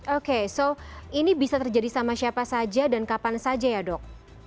oke so ini bisa terjadi sama siapa saja dan kapan saja ya dok